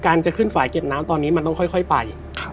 การจะขึ้นฝ่ายเก็บน้ำตอนนี้มันต้องค่อยไป